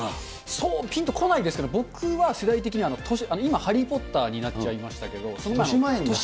そう、ぴんとこないですけど、僕は世代的には今、ハリー・ポッターになっちゃいましたけれども、としまえん。